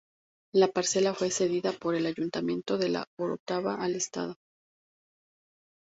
La parcela fue cedida por el Ayuntamiento de La Orotava al Estado.